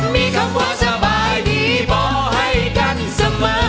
มีคำว่าสบายดีบอกให้กันเสมอ